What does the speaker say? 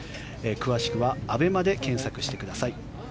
詳しくはＡＢＥＭＡで検索してください。